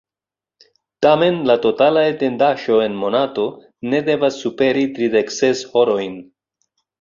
Tamen la totala etendaĵo en monato ne devas superi tridek ses horojn.